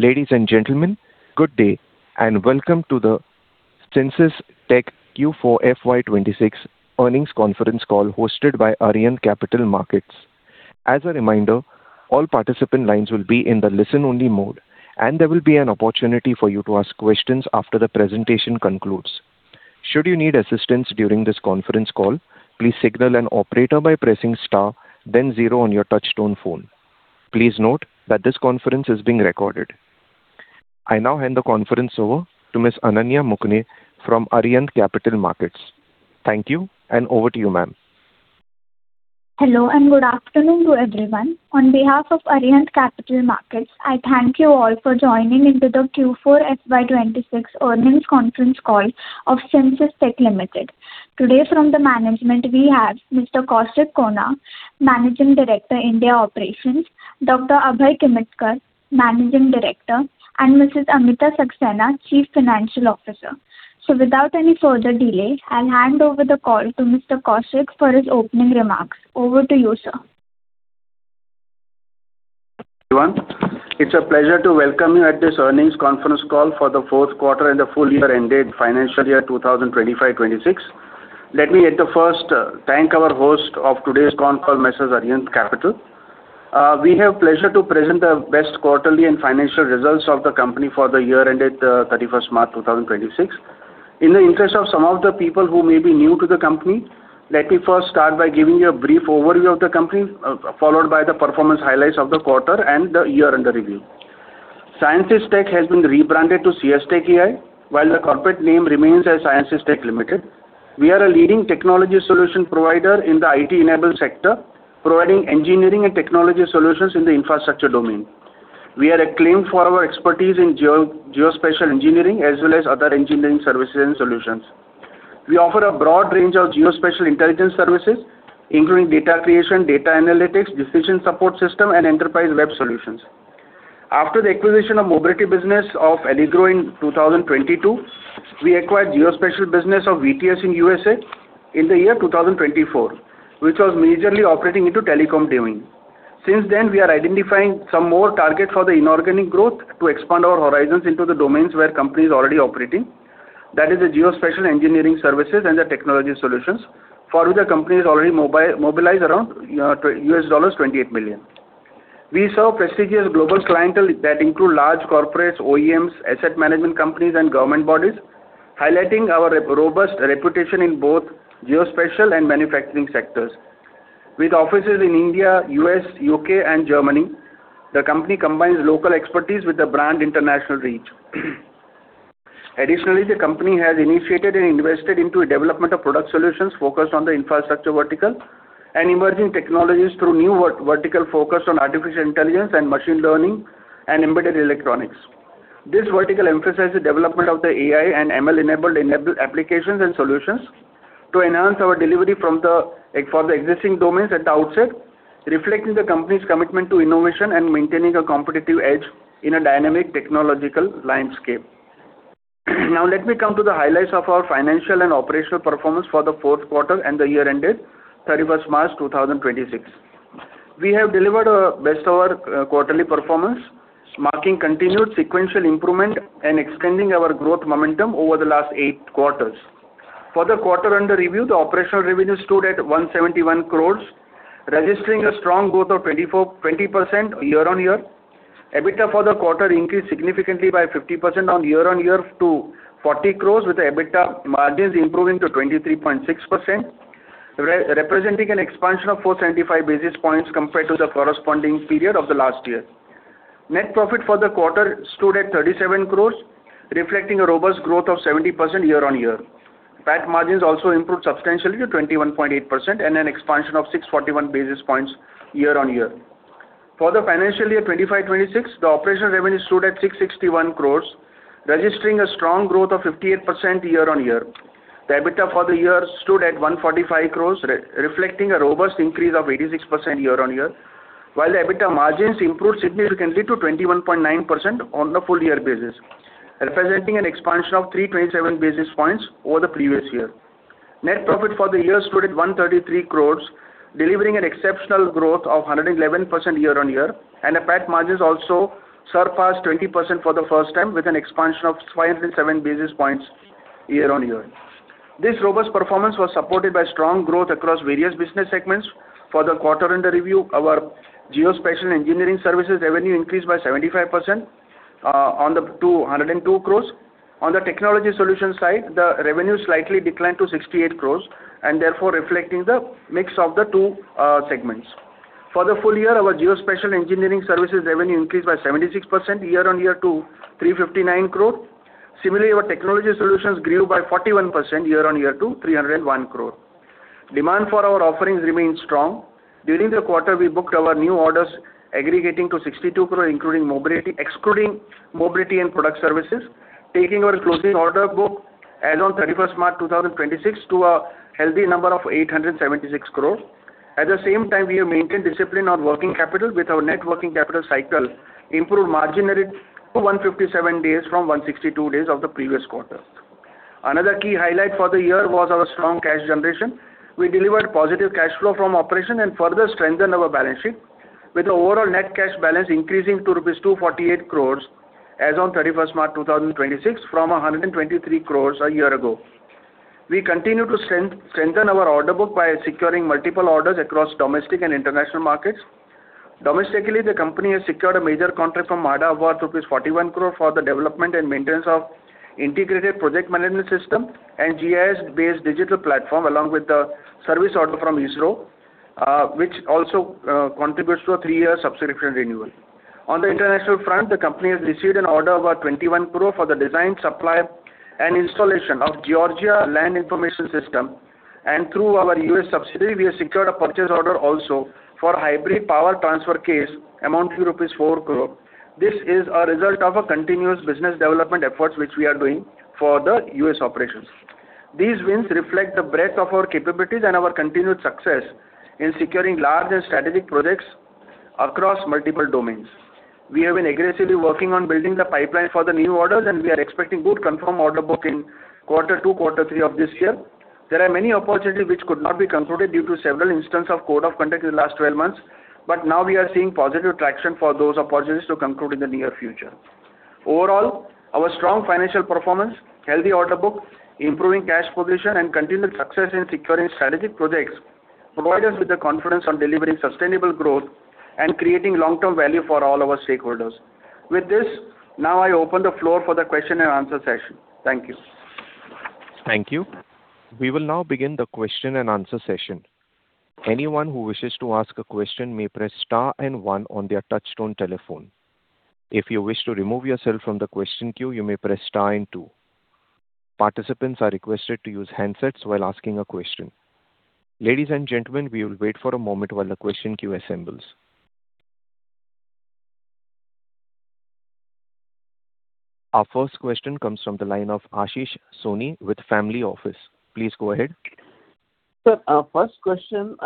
Ladies and gentlemen, good day, and welcome to the Ceinsys Tech Q4 FY 2026 earnings conference call hosted by Arihant Capital Markets. As a reminder, all participant lines will be in the listen-only mode, and there will be an opportunity for you to ask questions after the presentation concludes. Should you need assistance during this conference call, please signal an operator by pressing star then zero on your touch-tone phone. Please note that this conference is being recorded. I now hand the conference over to Ms. Ananya Mukne from Arihant Capital Markets. Thank you, and over to you, ma'am. Hello, and good afternoon to everyone. On behalf of Arihant Capital Markets, I thank you all for joining into the Q4 FY 2026 earnings conference call of Ceinsys Tech Limited. Today, from the management, we have Mr. Kaushik Khona, Managing Director, India Operations; Dr. Abhay Kimmatkar, Managing Director; and Mrs. Amita Saxena, Chief Financial Officer. Without any further delay, I'll hand over the call to Mr. Kaushik for his opening remarks. Over to you, sir. Everyone, it's a pleasure to welcome you at this earnings conference call for the fourth quarter and the full year ended financial year 2025-2026. Let me at the first thank our host of today's call, Messrs Arihant Capital Markets. We have the pleasure to present the best quarterly and financial results of the company for the year ended 31st March 2026. In the interest of some of the people who may be new to the company, let me first start by giving you a brief overview of the company, followed by the performance highlights of the quarter and the year under review. Ceinsys Tech has been rebranded to CS Tech AI, while the corporate name remains as Ceinsys Tech Limited. We are a leading technology solution provider in the IT-enabled sector, providing engineering and technology solutions in the infrastructure domain. We are acclaimed for our expertise in geospatial engineering as well as other engineering services and solutions. We offer a broad range of geospatial intelligence services, including data creation, data analytics, decision support systems, and enterprise web solutions. After the acquisition of the mobility business of AllyGrow in 2022, we acquired the geospatial business of VTS in U.S.A. in the year 2024, which was majorly operating into telecom domain. Since then, we are identifying some more targets for the inorganic growth to expand our horizons into the domains where the company is already operating. That is the geospatial engineering services and the technology solutions, for which the company has already mobilized around $28 million. We serve a prestigious global clientele that includes large corporates, OEMs, asset management companies, and government bodies, highlighting our robust reputation in both the geospatial and manufacturing sectors. With offices in India, U.S., U.K., and Germany, the company combines local expertise with a broad international reach. Additionally, the company has initiated and invested into development of product solutions focused on the infrastructure vertical and emerging technologies through a new vertical focus on artificial intelligence, and machine learning and embedded electronics. This vertical emphasizes development of the AI and ML-enabled applications and solutions to enhance our delivery for the existing domains at the outset, reflecting the company's commitment to innovation and maintaining a competitive edge in a dynamic technological landscape. Now let me come to the highlights of our financial and operational performance for the fourth quarter and the year ended 31st March 2026. We have delivered the best of our quarterly performance, marking continued sequential improvement and extending our growth momentum over the last eight quarters. For the quarter under review, the operational revenue stood at 171 crore, registering a strong growth of 20% year-on-year. EBITDA for the quarter increased significantly by 50% year-on-year to 40 crore, with the EBITDA margins improving to 23.6%, representing an expansion of 475 basis points compared to the corresponding period of the last year. Net profit for the quarter stood at 37 crore, reflecting a robust growth of 70% year-on-year. PAT margins also improved substantially to 21.8% and an expansion of 641 basis points year-on-year. For the financial year FY 2025/2026, the operational revenue stood at 661 crore, registering a strong growth of 58% year-on-year. The EBITDA for the year stood at 145 crore, reflecting a robust increase of 86% year-on-year, while the EBITDA margins improved significantly to 21.9% on a full-year basis, representing an expansion of 327 basis points over the previous year. Net profit for the year stood at 133 crore, delivering an exceptional growth of 111% year-on-year. The PAT margins also surpassed 20% for the first time, with an expansion of 507 basis points year-on-year. This robust performance was supported by strong growth across various business segments. For the quarter under review, our geospatial engineering services revenue increased by 75% to 102 crore. On the technology solutions side, the revenue slightly declined to 68 crore, and therefore reflecting the mix of the two segments. For the full year, our geospatial engineering services revenue increased by 76% year-on-year to 359 crore. Similarly, our technology solutions grew by 41% year-on-year to 301 crore. Demand for our offerings remains strong. During the quarter, we booked our new orders aggregating to 62 crore, excluding mobility and product services, taking our closing order book as on 31st March 2026 to a healthy number of 876 crores. At the same time, we have maintained discipline on working capital, with our net working capital cycle improved marginally to 157 days from 162 days of the previous quarter. Another key highlight for the year was our strong cash generation. We delivered positive cash flow from operations and further strengthened our balance sheet, with the overall net cash balance increasing to rupees 248 crores as on 31st March 2026 from 123 crores a year ago. We continue to strengthen our order book by securing multiple orders across domestic and international markets. Domestically, the company has secured a major contract from MMRDA worth rupees 41 crore for the development and maintenance of an integrated project management system and GIS-based digital platform, along with the service order from ISRO, which also contributes to a three-year subscription renewal. On the international front, the company has received an order of 21 crore for the design, supply, and installation of Georgia Land Information System, and through our U.S. subsidiary, we have secured a purchase order also for a hybrid power transfer case amounting to rupees 4 crore. This is a result of our continuous business development efforts, which we are doing for the U.S. operations. These wins reflect the breadth of our capabilities and our continued success in securing large and strategic projects across multiple domains. We have been aggressively working on building the pipeline for the new orders, and we are expecting a good confirmed order book in quarter two, quarter three of this year. There are many opportunities which could not be concluded due to several instances of the Model Code of Conduct in the last 12 months, but now we are seeing positive traction for those opportunities to conclude in the near future. Overall, our strong financial performance, healthy order book, improving cash position, and continued success in securing strategic projects provide us with the confidence on delivering sustainable growth and creating long-term value for all our stakeholders. With this, I now open the floor for the question-and-answer session. Thank you. Thank you. We will now begin the question-and-answer session. Anyone who wishes to ask a question may press star and one on their touchtone telephone. If you wish to remove yourself from the question queue, you may press star and two. Participants are requested to use handsets while asking a question. Ladies and gentlemen, we will wait for a moment while the question queue assembles. Our first question comes from the line of Ashish Soni with Family Office. Please go ahead. Sir, the first question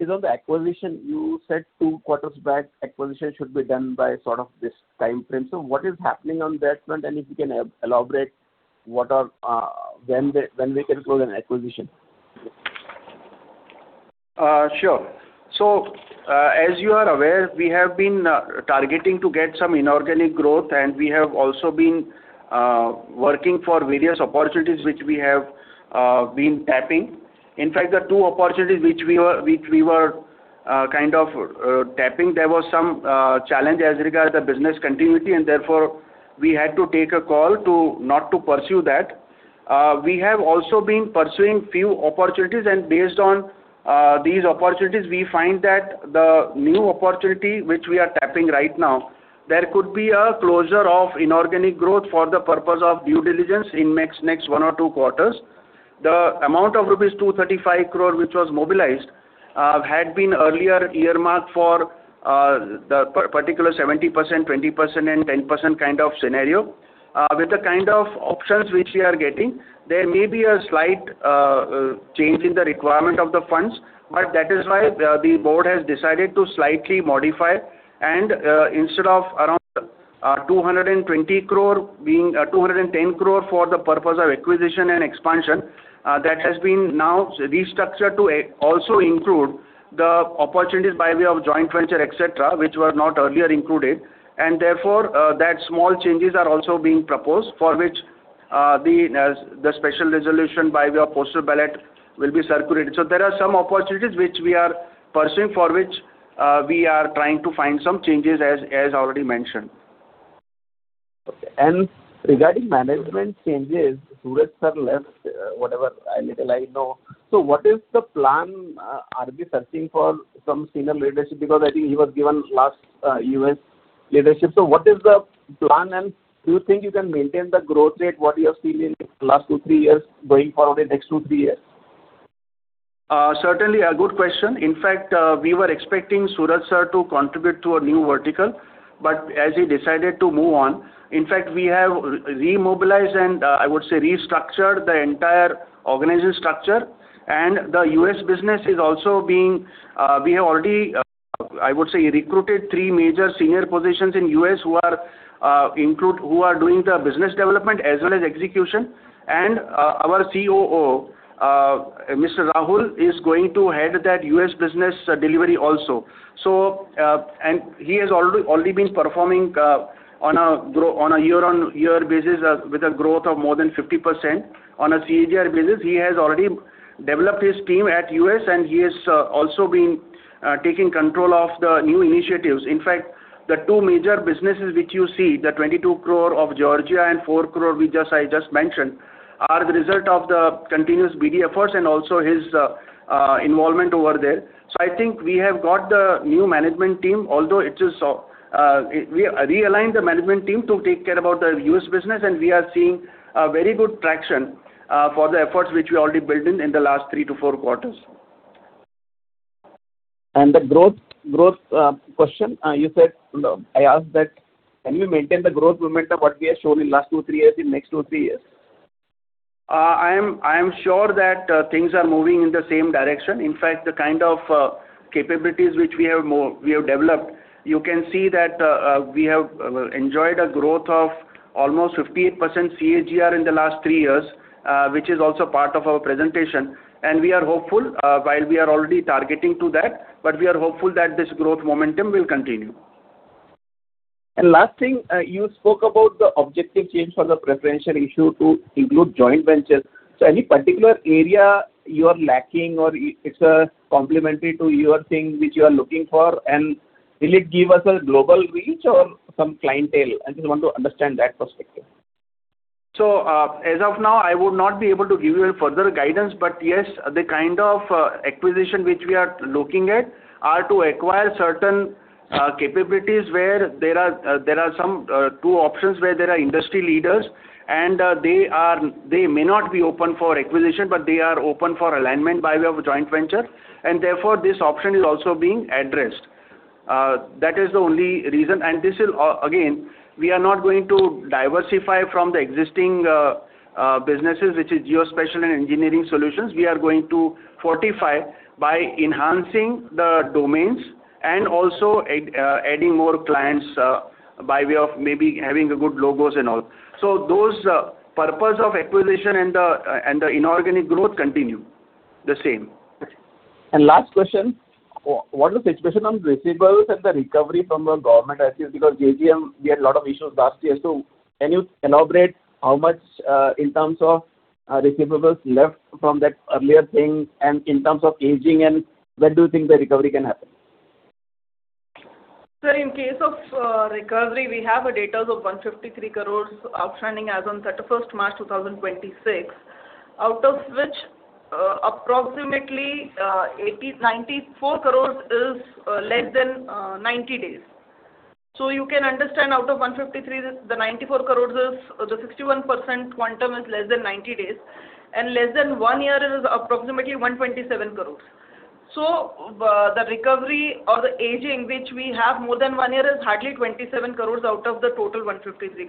is on the acquisition. You said two quarters back, acquisition should be done by this timeframe. What is happening on that front? If you can elaborate on when we can close an acquisition. Sure. As you are aware, we have been targeting to get some inorganic growth, and we have also been working for various opportunities, which we have been tapping. In fact, the two opportunities which we were kind of tapping, there was some challenge as regards the business continuity, and therefore, we had to take a call to not to pursue that. We have also been pursuing a few opportunities, and based on these opportunities, we find that the new opportunity which we are tapping right now, there could be a closure of inorganic growth for the purpose of due diligence in the next one or two quarters. The amount of rupees 235 crore, which was mobilized had been earlier earmarked for the particular 70%, 20% and 10% kind of scenario. With the kind of options which we are getting, there may be a slight change in the requirement of the funds. That is why the board has decided to slightly modify, and instead of around 210 crore for the purpose of acquisition and expansion, that has now been restructured to also include the opportunities by way of joint venture, et cetera, which were not earlier included. Therefore, that small changes are also being proposed for which the special resolution by way of postal ballot will be circulated. There are some opportunities which we are pursuing, for which we are trying to find some changes, as already mentioned. Okay. Regarding management changes, Suraj sir left, whatever little I know. What is the plan? Are we searching for some senior leadership? Because I think he was given the last U.S. leadership. What is the plan, and do you think you can maintain the growth rate what you have seen in the last two to three years going forward in the next two to three years? Certainly, a good question. In fact, we were expecting Suraj sir to contribute to a new vertical, but as he decided to move on. In fact, we have remobilized and I would say restructured the entire organization structure and the U.S. business. We have already, I would say, recruited three major senior positions in the U.S. who are doing the business development as well as execution. Our COO, Mr. Rahul, is going to head that U.S. business delivery also. He has already been performing on a year-on-year basis with a growth of more than 50%. On a CAGR basis, he has already developed his team at U.S., and he has also been taking control of the new initiatives. In fact, the two major businesses which you see, the 22 crore of Georgia and the 4 crore I just mentioned, are the result of the continuous BD efforts and also his involvement over there. I think we have got the new management team, although we realigned the management team to take care about the U.S. business, and we are seeing very good traction for the efforts which we already built in the last three to four quarters. The growth question, I asked that, can we maintain the growth momentum what we have shown in the last two, three years, in the next two, three years? I am sure that things are moving in the same direction. In fact, the kind of capabilities which we have developed, you can see that we have enjoyed a growth of almost 58% CAGR in the last three years, which is also part of our presentation. We are hopeful while we are already targeting to that, but we are hopeful that this growth momentum will continue. Last thing, you spoke about the objective change for the preferential issue to include joint ventures. Any particular area you are lacking, or is complementary to your thing which you are looking for? Will it give us a global reach or some clientele? I just want to understand that perspective. As of now, I would not be able to give you further guidance. Yes, the kind of acquisition which we are looking at are to acquire certain capabilities where there are two options: where there are industry leaders, and they may not be open for acquisition, but they are open for alignment by way of a joint venture. Therefore, this option is also being addressed. That is the only reason. This is, again, we are not going to diversify from the existing businesses, which is geospatial and engineering solutions. We are going to fortify by enhancing the domains and also adding more clients by way of maybe having good logos and all. The purpose of acquisition and the inorganic growth continues the same. Last question, what is the situation on receivables and the recovery from the government, I feel? JJM, we had a lot of issues last year. Can you elaborate how much in terms of receivables left from that earlier thing, and in terms of aging, and when do you think the recovery can happen? Sir, in case of recovery, we have data of 153 crore outstanding as on 31st March 2026, out of which approximately 94 crore is less than 90 days. You can understand out of 153 crore, the 94 crore is, the 61% quantum is less than 90 days, and less than one year is approximately 127 crore. The recovery or the aging, which we have more than one year is hardly 27 crore out of the total 153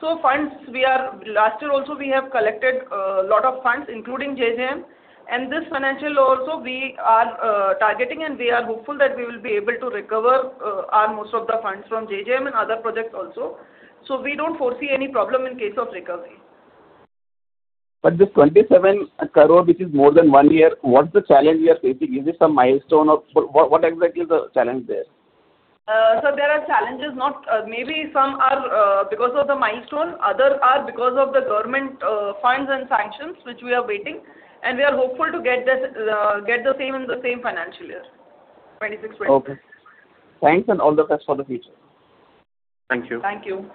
crore. Last year, we also collected a lot of funds, including JJM. This financial year also, we are targeting, and we are hopeful that we will be able to recover most of the funds from JJM and other projects also. We don't foresee any problem in case of recovery. This 27 crore, which is more than one year, what's the challenge we are facing? Is it some milestone, or what exactly is the challenge there? Sir, there are challenges. Maybe some are because of the milestone, others are because of the government funds and sanctions, which we are waiting. We are hopeful to get the same in the same financial year, 2026/2027. Okay. Thanks and all the best for the future. Thank you. Thank you.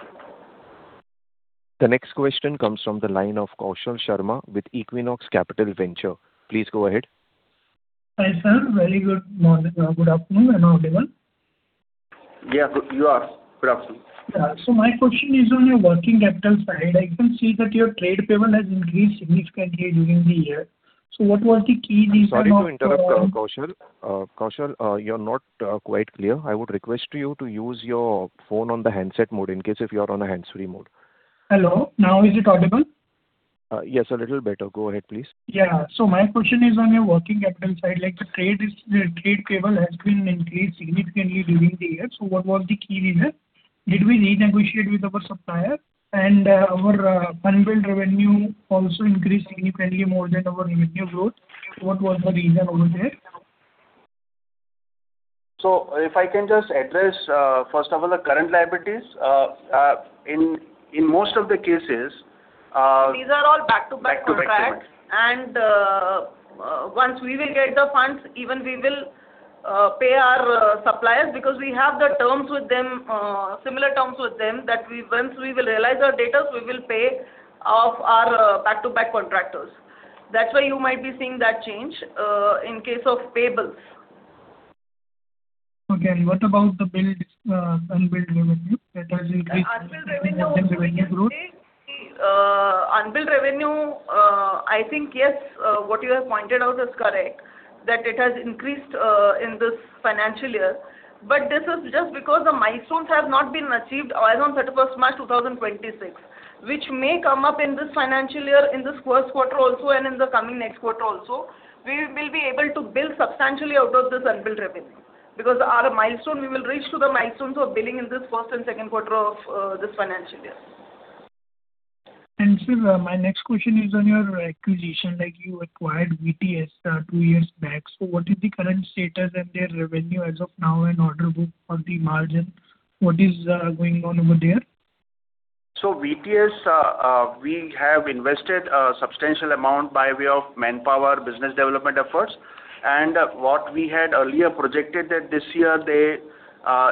The next question comes from the line of Kaushal Sharma with Equinox Capital Venture. Please go ahead. Hi, sir. Very good morning. Good afternoon. Audible? Yeah. You are. Good afternoon. Yeah. My question is on your working capital side. I can see that your trade payment has increased significantly during the year. What was the key reason? I'm sorry to interrupt, Kaushal. Kaushal, you're not quite clear. I would request you to use your phone on the handset mode in case if you are on a hands-free mode. Hello. Now is it audible? Yes, a little better. Go ahead, please. My question is on your working capital side, the trade payable has been increased significantly during the year. What was the key reason? Did we renegotiate with our supplier? Our unbilled revenue also increased significantly more than our revenue growth. What was the reason over there? If I can just address, first of all, the current liabilities. In most of the cases. These are all back-to-back contracts. Back-to-back contracts. Once we will get the funds, we will even pay our suppliers because we have similar terms with them that once we will realize our debtors, we will pay off our back-to-back contractors. That is why you might be seeing that change in the case of payables. Okay. What about the unbilled revenue? Unbilled revenue, we can also say. More than revenue growth. Unbilled revenue, I think, yes, what you have pointed out is correct, that it has increased in this financial year. This is just because the milestones have not been achieved as on 31st March 2026, which may come up in this financial year, in this first quarter also, and in the coming next quarter also. We will be able to bill substantially out of this unbilled revenue because we will reach to the milestones of billing in the first and second quarters of this financial year. Sir, my next question is on your acquisition. You acquired VTS two years back. What is the current status and their revenue as of now, in order book or the margin? What is going on over there? VTS, we have invested a substantial amount by way of manpower, business development efforts. What we had earlier projected that this year,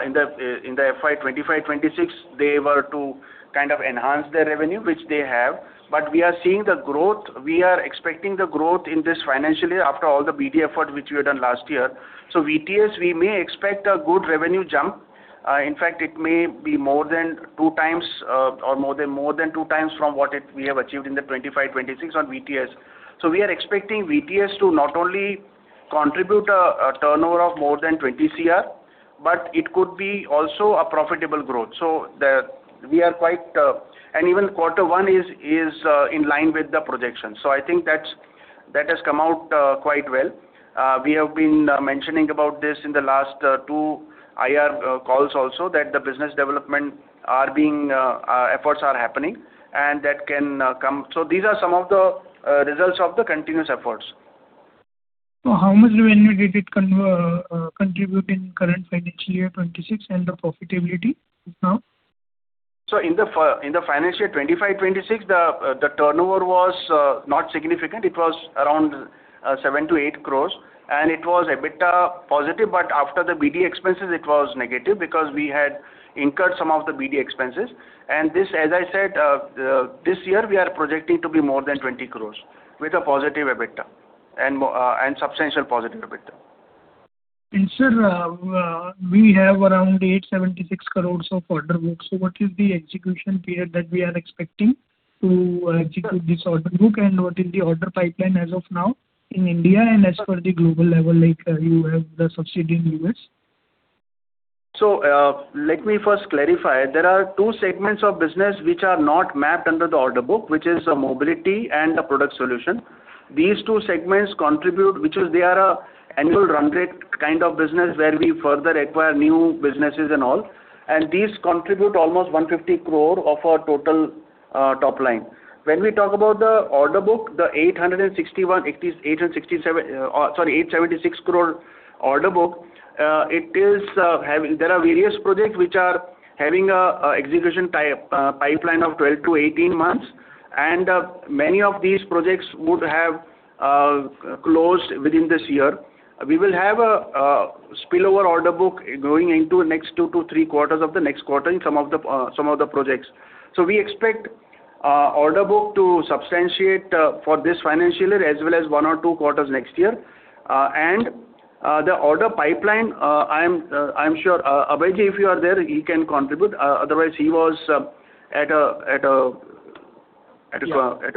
in the FY 2025/2026, they were to kind of enhance their revenue, which they have. We are expecting the growth in this financial year after all the BD effort which we have done last year. VTS, we may expect a good revenue jump. In fact, it may be more than 2x from what we have achieved in the 2025/2026 on VTS. We are expecting VTS to not only contribute a turnover of more than 20 crore, but it could also be a profitable growth. Even quarter one is in line with the projection. I think that has come out quite well. We have been mentioning about this in the last two IR calls also that the business development efforts are happening and that can come. These are some of the results of the continuous efforts. How much revenue did it contribute in the current financial year 2026, and the profitability now? In the financial year 2025-2026, the turnover was not significant. It was around 7-8 crores, and it was EBITDA positive, but after the BD expenses it was negative because we had incurred some of the BD expenses. This, as I said, this year we are projecting to be more than 20 crores with a positive EBITDA and substantial positive EBITDA. Sir, we have around 876 crores of order book. What is the execution period that we are expecting to execute this order book, and what is the order pipeline as of now in India and as per the global level, like you have the subsidiary in the U.S.? Let me first clarify. There are two segments of business which are not mapped under the order book, which is mobility and the product solution. These two segments contribute, which they are annual run rate kind of business where we further acquire new businesses and all, and these contribute almost 150 crore of our total top line. When we talk about the order book, the 876 crore order book, there are various projects which are having an execution pipeline of 12-18 months. Many of these projects would have closed within this year. We will have a spillover order book going into next two to three quarters of the next quarter in some of the projects. We expect order book to substantiate for this financial year as well as one or two quarters next year. The order pipeline, I'm sure, Abhay, if you are there, he can contribute. Yeah. At a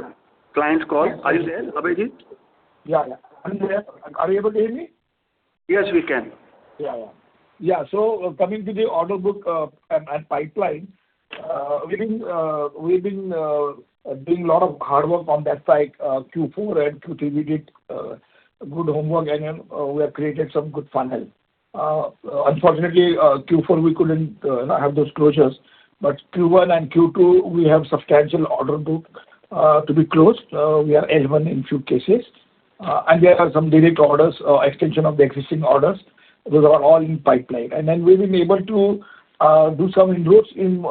client call. Are you there, Abhay? Yeah. I'm here. Are you able to hear me? Yes, we can. Yeah. Coming to the order book and pipeline, we've been doing a lot of hard work on that side. In Q4 and Q3, we did good homework, and we have created some good funnels. Unfortunately, Q4, we couldn't have those closures, Q1 and Q2, we have a substantial order book to be closed. We are L1 in a few cases; there are some direct orders or extensions of the existing orders. Those are all in the pipeline. We've been able to do some inroads in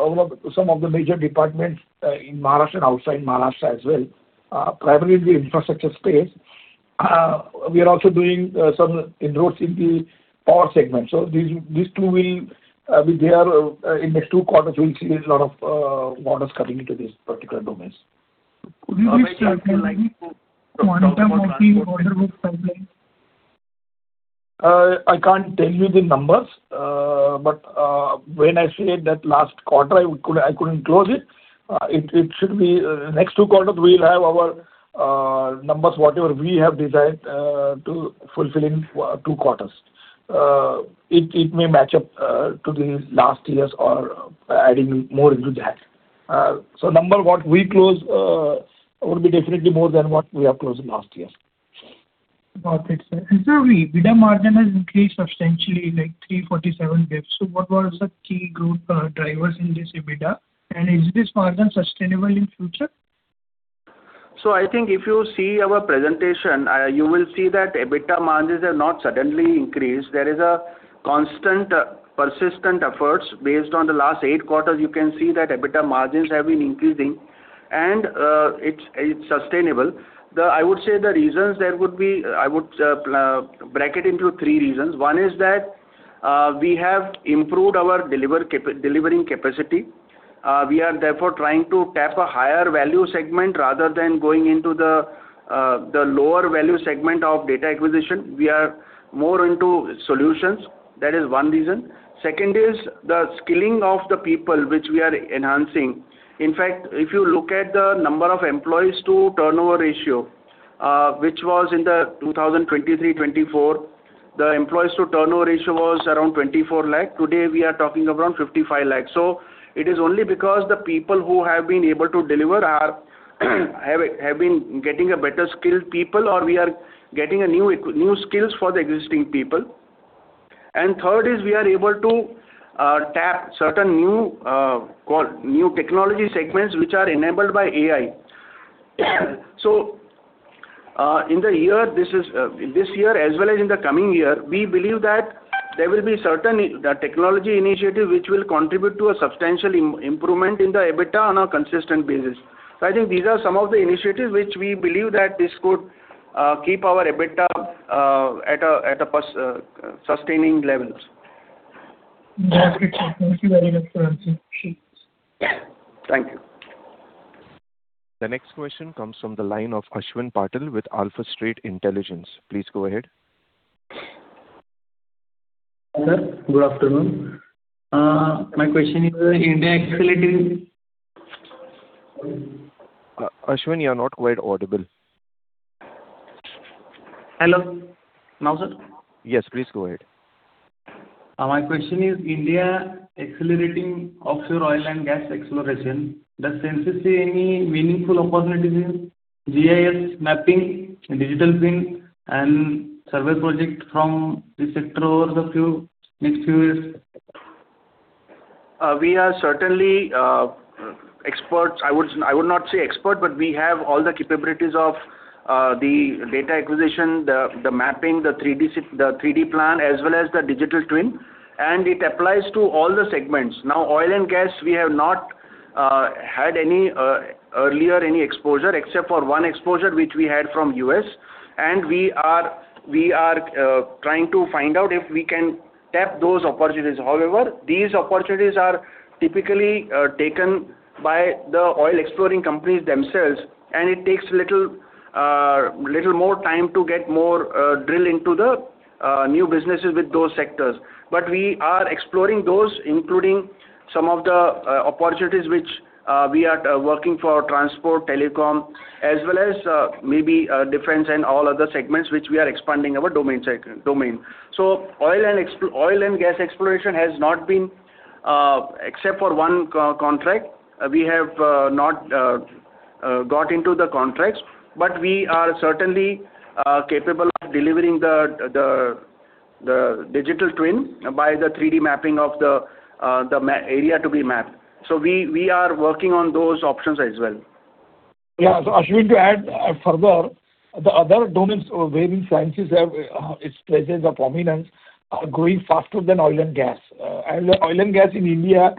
some of the major departments in Maharashtra and outside Maharashtra as well, primarily in the infrastructure space. We are also doing some inroads in the power segment. These two will be there in the next two quarters, we'll see a lot of orders coming into these particular domains. Could you be specific on the quantum of the order book pipeline? I can't tell you the numbers, but when I said that last quarter, I couldn't close it. It should be the next two quarters we'll have our numbers, whatever we have desired, to fulfill in two quarters. It may match up to the last year's or adding more into that. The number we close will be definitely more than what we have closed last year. Got it, sir. Sir, the EBITDA margin has increased substantially, like 347 basis points. What was the key growth drivers in this EBITDA, and is this margin sustainable in future? I think if you see our presentation, you will see that EBITDA margins have not suddenly increased. There is a constant, persistent effort based on the last eight quarters, you can see that EBITDA margins have been increasing, and it's sustainable. I would say the reasons there would be, I would bracket into three reasons. One is that we have improved our delivering capacity. We are therefore trying to tap a higher value segment rather than going into the lower value segment of data acquisition. We are more into solutions. That is one reason. Second is the skilling of the people, which we are enhancing. In fact, if you look at the number of employees to turnover ratio, which was in the 2023/2024, the employees to turnover ratio was around 24 lakh. Today, we are talking around 55 lakh. It is only because the people who have been able to deliver have been getting better-skilled people, or we are getting new skills for the existing people. Third is we are able to tap certain new technology segments which are enabled by AI. In this year as well as in the coming year, we believe that there will be certain technology initiative which will contribute to a substantial improvement in the EBITDA on a consistent basis. I think these are some of the initiatives which we believe that this could keep our EBITDA at a sustaining levels. That's good. Thank you very much for answering. Thank you. The next question comes from the line of Ashwin Patil with AlphaStreet Intelligence. Please go ahead. Sir, good afternoon. My question is about India accelerating Ashwin, you're not quite audible. Hello. Now, sir? Yes, please go ahead. My question is India accelerating offshore oil and gas exploration. Does Ceinsys see any meaningful opportunities in GIS mapping, digital twin, and survey projects from this sector over the next few years? We are certainly experts. I would not say expert, but we have all the capabilities of the data acquisition, the mapping, the 3D plan, as well as the digital twin, and it applies to all the segments. Now, oil and gas, we have not had any earlier exposure except for one exposure, which we had from U.S., and we are trying to find out if we can tap those opportunities. However, these opportunities are typically taken by the oil exploring companies themselves, and it takes little more time to get more drill into the new businesses with those sectors. We are exploring those, including some of the opportunities which we are working for transport, telecom, as well as maybe defense, and all other segments which we are expanding our domain. Oil and gas exploration has not been, except for one contract; we have not got into the contracts, but we are certainly capable of delivering the digital twin by the 3D mapping of the area to be mapped. We are working on those options as well. Yeah. Ashwin, to add further, the other domains where Ceinsys have its presence or prominence are growing faster than oil and gas. Oil and gas in India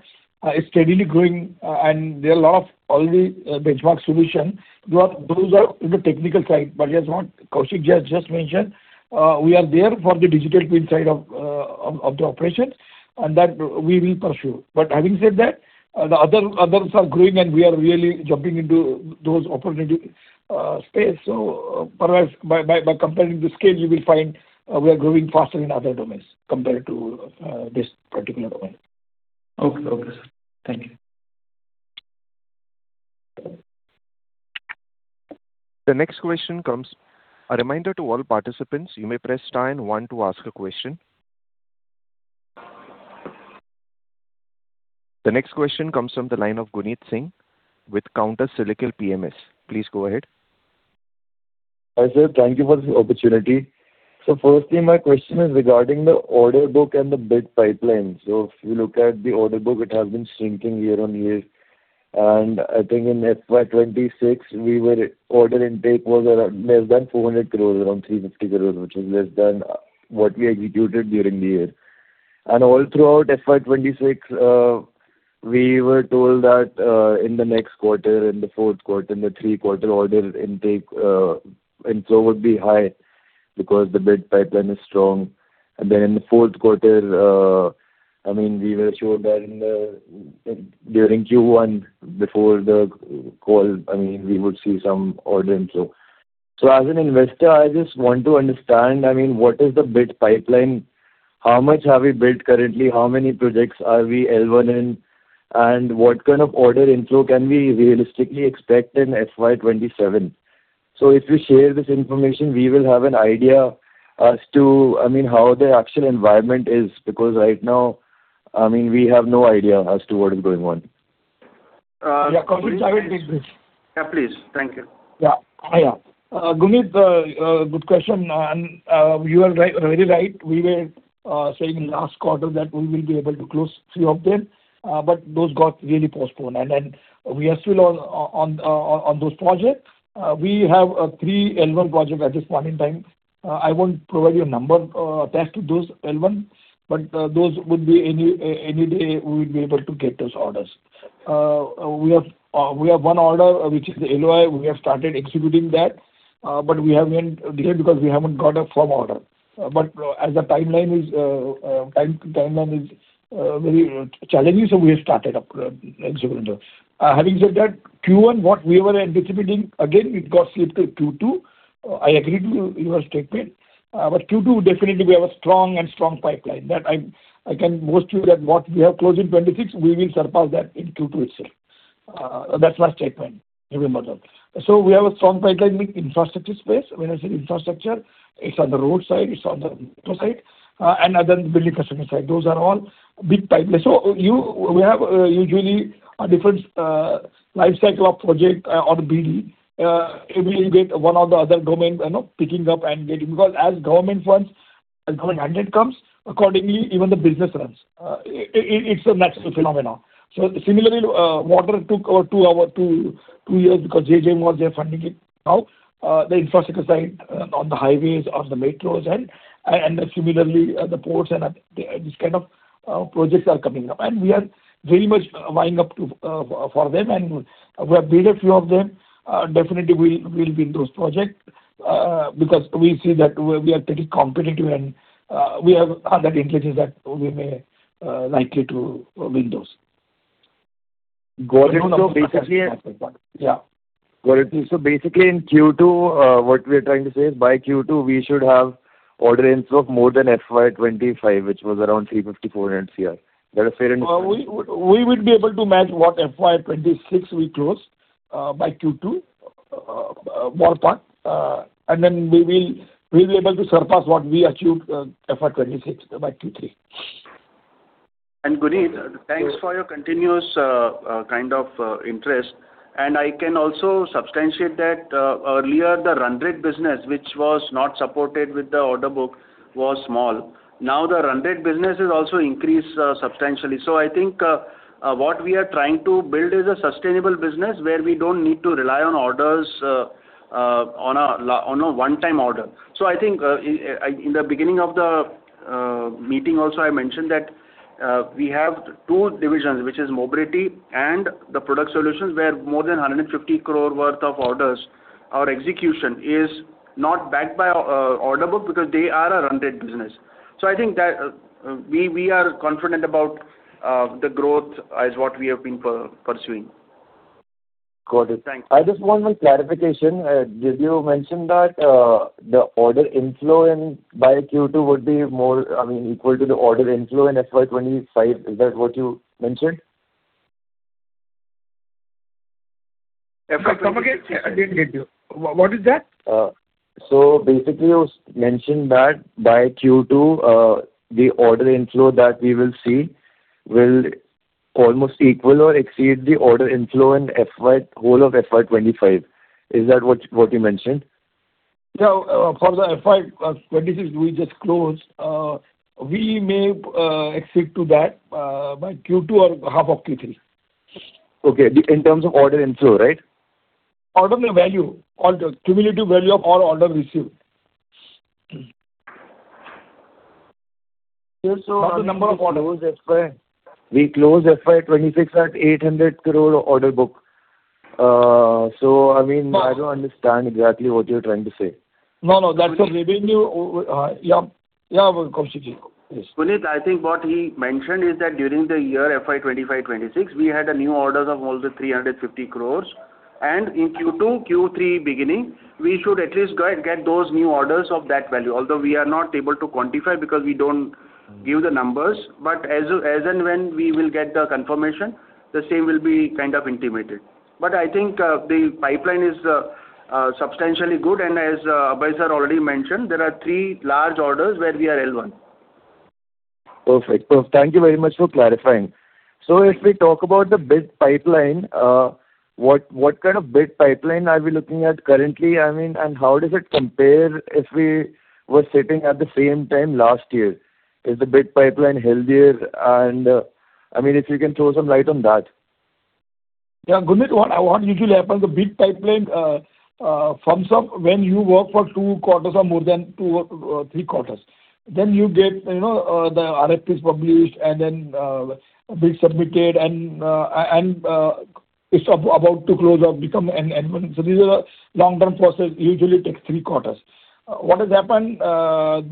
is steadily growing, and there are a lot of already benchmark solutions. Those are in the technical side. As what Kaushik just mentioned, we are there for the digital twin side of the operation, and we will pursue. Having said that, the others are growing, and we are really jumping into those opportunity space. Perhaps by comparing the scale, you will find we are growing faster in other domains compared to this particular domain. Okay, sir. Thank you. A reminder to all participants, you may press star and one to ask a question. The next question comes from the line of Gunit Singh with Counter Cyclical PMS. Please go ahead. Hi, sir. Thank you for this opportunity. Firstly, my question is regarding the order book and the bid pipeline. If you look at the order book, it has been shrinking year-over-year. I think in FY 2026, order intake was around less than 400 crores, around 350 crores, which is less than what we executed during the year. All throughout FY 2026, we were told that in the next quarter, in the fourth quarter, in the third quarter, order inflow would be high because the bid pipeline is strong. Then, in the fourth quarter, we were assured that during Q1, before the call, we would see some order inflow. As an investor, I just want to understand what the bid pipeline is. How much have we built currently? How many projects are we in, L1 in? What kind of order inflow can we realistically expect in FY 2027? If you share this information, we will have an idea as to how the actual environment is, because right now, we have no idea as to what is going on. Yeah, Gunit, I will take this. Yeah, please. Thank you. Yeah. Gunit, good question, and you are very right. We were saying last quarter that we will be able to close three of them, but those got really postponed. We are still on those projects. We have three L1 projects at this point in time. I won't provide you a number attached to those L1, but those would be any day we would be able to get those orders. We have one order, which is the LOI. We have started executing that, delayed because we haven't got a firm order. As the timeline is very challenging, so we have started up executing those. Having said that, Q1, what we were anticipating, again, it got slipped to Q2. I agree to your statement. Q2, definitely, we have a strong pipeline. I can boast you that what we have closed in 2026, we will surpass that in Q2 itself. That's my statement. Remember that. We have a strong pipeline with infrastructure space. When I say infrastructure, it's on the roadside, it's on the metro side, and other building customer side. Those are all big pipelines. We usually have a different life cycle of project or bidding. We will get one or the other domain picking up and getting. As government funds and government handouts comes, accordingly, even the business runs. It's a natural phenomenon. Similarly, water took two years because JJM was there funding it. The infrastructure side on the highways, on the metros, and similarly, the ports and these kinds of projects are coming up. We are very much lining up for them, and we have bid a few of them. Definitely, we'll win those projects because we see that we are pretty competitive and we have other advantages that we may likely to win those. Got it. Yeah. Got it. Basically, in Q2, what we're trying to say is by Q2, we should have order inflow of more than FY 2025, which was around INR 354 crore. Is that a fair assessment? We will be able to match what we closed in FY 2026 by Q2, more part, and then we will be able to surpass what we achieved in FY 2026 by Q3. Gunit, thanks for your continuous kind of interest. I can also substantiate that earlier, the run-rate business, which was not supported with the order book, was small. Now the run-rate business has also increased substantially. I think what we are trying to build is a sustainable business where we don't need to rely on orders on a one-time order. I think in the beginning of the meeting also, I mentioned that we have two divisions, which is mobility and product solutions where more than 150 crore worth of orders. Our execution is not backed by order book because they are a run-rate business. I think that we are confident about the growth as what we have been pursuing. Got it. Thanks. I just want one clarification. Did you mention that the order inflow by Q2 would be equal to the order inflow in FY 2025? Is that what you mentioned? Come again. I didn't get you. What is that? Basically, you mentioned that by Q2, the order inflow that we will see will almost equal or exceed the order inflow in whole of FY 2025. Is that what you mentioned? No, for the FY 2026 we just closed, we may exceed to that by Q2 or half of Q3. Okay. In terms of order inflow, right? Order value. Cumulative value of all orders received. Not the number of orders. We closed FY 2026 at 800 crore order book. I don't understand exactly what you're trying to say. No, that's the revenue. Yeah. Gunit, I think what he mentioned is that during the years FY 2025, FY 2026, we had new orders of almost 350 crore. In Q2, Q3 beginning, we should at least go and get those new orders of that value. Although we are not able to quantify because we don't give the numbers, but as and when we will get the confirmation, the same will be kind of intimated. I think the pipeline is substantially good, and as Abhay sir already mentioned, there are three large orders where we are L1. Perfect. Thank you very much for clarifying. If we talk about the bid pipeline, what kind of bid pipeline are we looking at currently, and how does it compare if we were sitting at the same time last year? Is the bid pipeline healthier? If you can throw some light on that. Yeah, Gunit, what usually happens, the bid pipeline firms up when you work for two quarters or more than two or three quarters. You get the RFPs published and then the bid submitted, and it's about to close up, become an [admin]. These are long-term processes, usually take three quarters. What has happened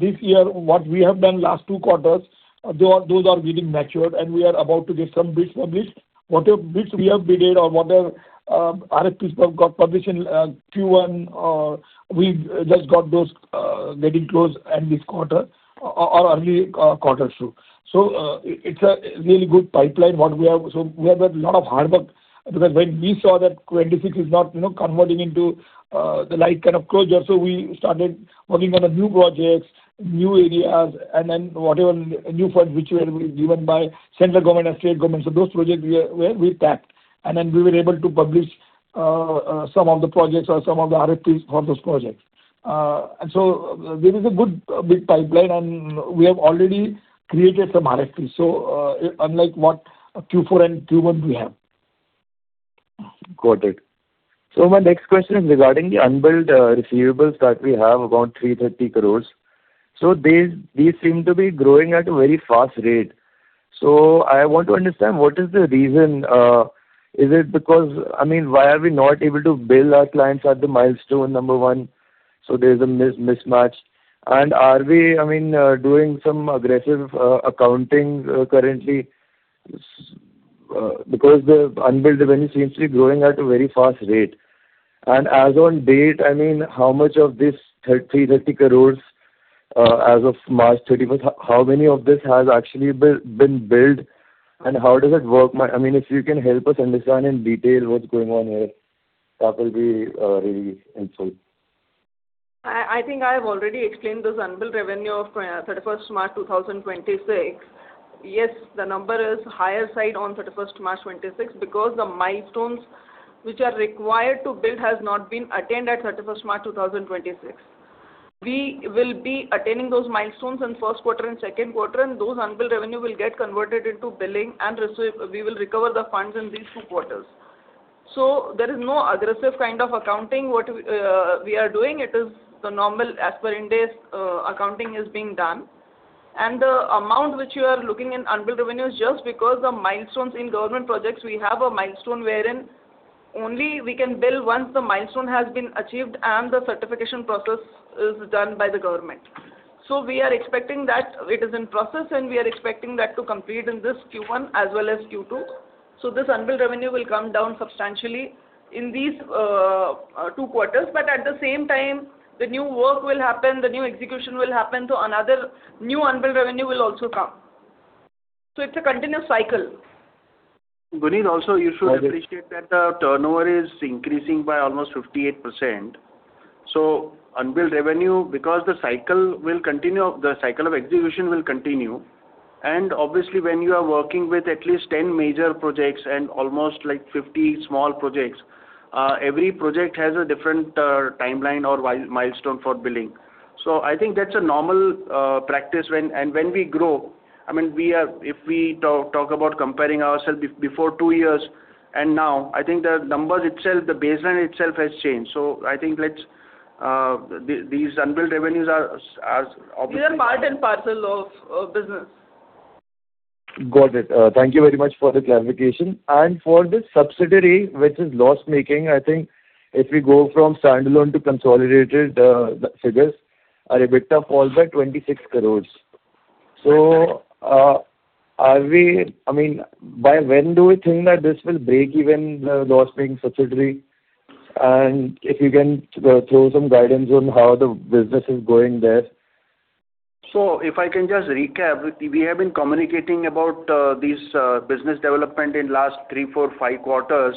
this year, what we have done in the last two quarters, those are getting matured, and we are about to get some bids published. Whatever bids we have bidded or whatever RFPs got published in Q1, we just got those getting closed end this quarter or early quarter through. It's a really good pipeline, what we have. We have done a lot of hard work because when we saw that 26 is not converting into the right kind of closure. We started working on new projects, new areas, and then whatever new funds which were given by the central government and the state government. Those projects we tapped, and then we were able to publish some of the projects or some of the RFPs for those projects. There is a good bid pipeline, and we have already created some RFPs. Unlike what Q4 and Q1 we have. Got it. My next question is regarding the unbilled receivables that we have, about 330 crores. These seem to be growing at a very fast rate. I want to understand what is the reason. Why are we not able to bill our clients at the milestone, number one, so there's a mismatch? Are we doing some aggressive accounting currently? Because the unbilled revenue seems to be growing at a very fast rate. As on date, how much of this INR 330 crores as of March 31st, how many of this has actually been billed, and how does it work? If you can help us understand in detail what's going on here, that will be really helpful. I think I have already explained this unbilled revenue of 31st March 2026. Yes, the number is higher side on 31st March 2026 because the milestones which are required to bill has not been attained at 31st March 2026. We will be attaining those milestones in the first quarter and second quarter, and those unbilled revenue will get converted into billing, and we will recover the funds in these two quarters. There is no aggressive kind of accounting. What we are doing, it is normal, as per Ind AS accounting is being done. The amount which you are looking in unbilled revenue is just because the milestones in government projects. We have a milestone wherein only we can bill once the milestone has been achieved and the certification process is done by the government. We are expecting that it is in process and we are expecting that to complete in this Q1 as well as Q2. This unbilled revenue will come down substantially in these two quarters. At the same time, the new work will happen, the new execution will happen, so another new unbilled revenue will also come. It's a continuous cycle. Gunit, also you should appreciate that the turnover is increasing by almost 58%. Unbilled revenue, because the cycle of execution will continue, and obviously, when you are working with at least 10 major projects and almost 50 small projects, every project has a different timeline or milestone for billing. I think that's a normal practice. When we grow, if we talk about comparing ourselves before two years and now, I think the numbers itself, the baseline itself has changed. They are part and parcel of business. Got it. Thank you very much for the clarification. For this subsidiary, which is loss-making, I think if we go from standalone to consolidated figures, our EBITDA falls by INR 26 crore. By when do you think that this will break even, the loss-making subsidiary? If you can throw some guidance on how the business is going there. If I can just recap, we have been communicating about these business developments in last three, four, five quarters,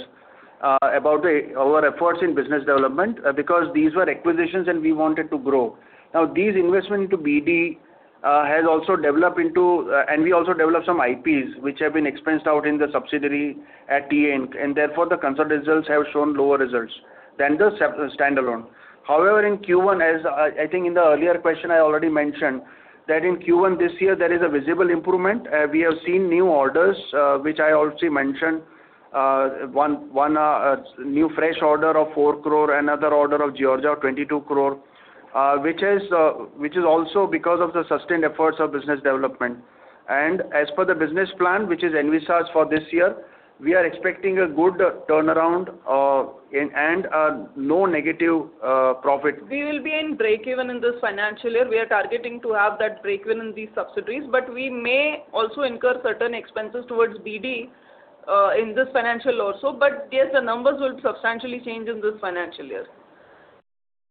about our efforts in business development, because these were acquisitions and we wanted to grow. These investments into BD, and we also developed some IPs, which have been expensed out in the subsidiary at the end, and therefore the consolidated results have shown lower results than the standalone. However, in Q1, as I think in the earlier question I already mentioned, that in Q1 this year, there is a visible improvement. We have seen new orders, which I also mentioned, one new fresh order of 4 crore, another order of Georgia of 22 crore, which is also because of the sustained efforts of business development. As per the business plan, which is envisaged for this year, we are expecting a good turnaround and no negative profit. We will be in breakeven in this financial year. We are targeting to have that breakeven in these subsidiaries, but we may also incur certain expenses towards BD, in this financial also. Yes, the numbers will substantially change in this financial year.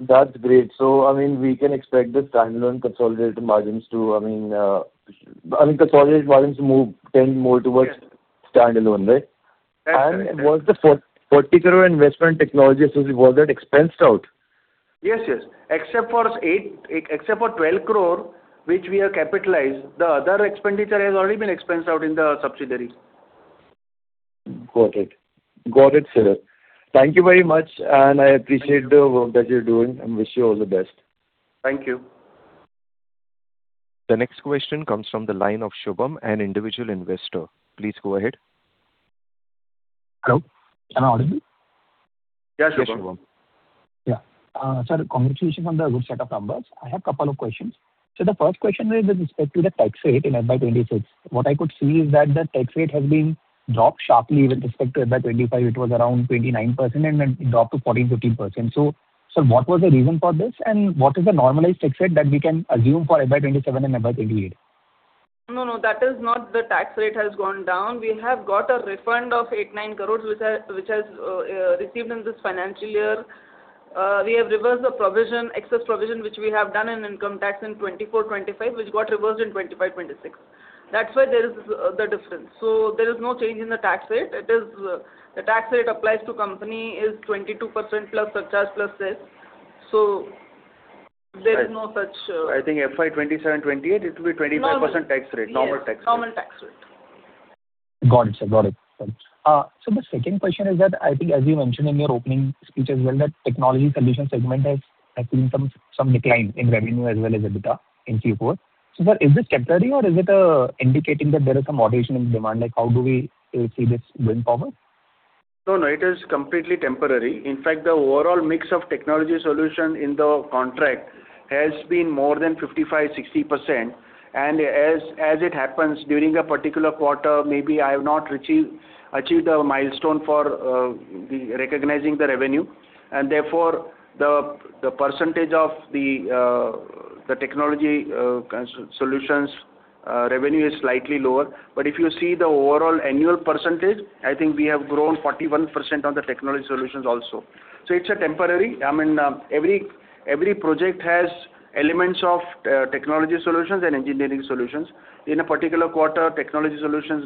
That's great. We can expect the standalone consolidated margins to tend more towards. Yes. Standalone. Right? That's right. Was the INR 40 crore investment technology, was that expensed out? Yes. Except for 12 crore, which we have capitalized, the other expenditure has already been expensed out in the subsidiary. Got it, sir. Thank you very much, and I appreciate the work that you're doing, and wish you all the best. Thank you. The next question comes from the line of Shubham, an individual investor. Please go ahead. Hello, am I audible? Yes, Shubham. Yeah. Sir, congratulations on the good set of numbers. I have a couple of questions. The first question is with respect to the tax rate in FY 2026. What I could see is that the tax rate has been dropped sharply with respect to FY 2025. It was around 29%, and then it dropped to 14%, 15%. Sir, what was the reason for this, and what is the normalized tax rate that we can assume for FY 2027 and FY 2028? No, that is not the tax rate has gone down. We have got a refund of 8 crores, 9 crores, which has been received in this financial year. We have reversed the excess provision, which we have done in income tax in 2024/2025, which got reversed in 2025/2026. That's why there is the difference. There is no change in the tax rate. The tax rate applies to the company is 22%+ surcharge plus cess. I think FY 2027/2028, it will be 25% tax rate. Normal. Normal tax rate. Got it, sir. The second question is that, I think, as you mentioned in your opening speech as well, that technology solution segment has seen some decline in revenue as well as EBITDA in Q4. Sir, is this temporary or is it indicating that there is some moderation in demand? How do we see this going forward? No, it is completely temporary. In fact, the overall mix of technology solutions in the contract has been more than 55%-60%. As it happens, during a particular quarter, maybe I have not achieved the milestone for recognizing the revenue. Therefore, the percentage of the technology solutions revenue is slightly lower. If you see the overall annual percentage, I think we have grown 41% on the technology solutions also. It's temporary. Every project has elements of technology solutions and engineering solutions. In a particular quarter, technology solutions